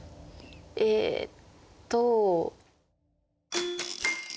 ええっと。